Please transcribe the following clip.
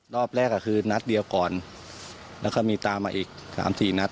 รอบแรกคือนัดเดียวก่อนแล้วก็มีตามมาอีกสามสี่นัด